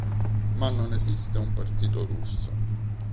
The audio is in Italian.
Ma non esiste un partito russo.